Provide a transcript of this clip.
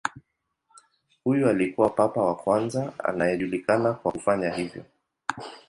Huyu alikuwa papa wa kwanza anayejulikana kwa kufanya hivyo.